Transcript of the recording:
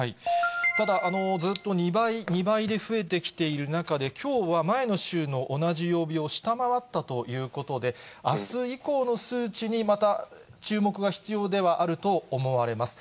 ただずっと２倍、２倍で増えてきている中で、きょうは前の週の同じ曜日を下回ったということで、あす以降の数値に、また注目が必要ではあると思われます。